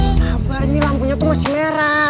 sabar ini lampunya tuh masih merah